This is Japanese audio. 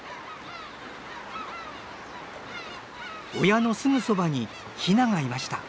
親のすぐそばにヒナがいました。